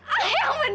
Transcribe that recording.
ah yang bener